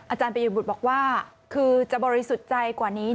อาจารย์ปริยบุตรบอกว่าคือจะบริสุทธิ์ใจกว่านี้